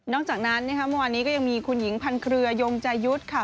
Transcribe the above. จากนั้นเมื่อวานนี้ก็ยังมีคุณหญิงพันเครือยงใจยุทธ์ค่ะ